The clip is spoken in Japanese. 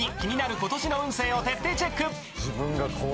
今年の運勢を徹底チェック